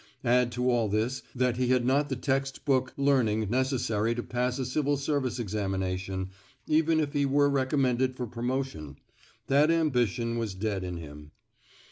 Add to all this that he had not the text book learning necessary to pass a civil service examination, even if he were recommended for promotion; that ambition was dead in him.